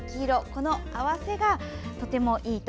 この合わせがとてもいいと。